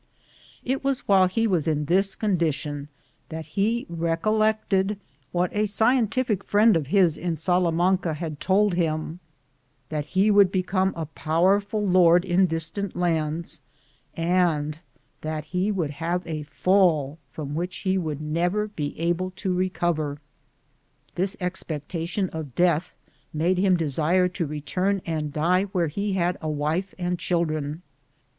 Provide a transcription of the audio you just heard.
It was while he was in this condition that he recollected what a scientific Mend of his in Salamanca had told him, that he would become a powerful lord in distant lands, and that he would have a fall from which he would never be able to recover. This ex pectation of death made him desire to return and die where he had a wife and children.